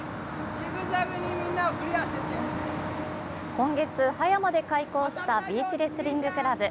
今月、葉山で開講したビーチレスリングクラブ。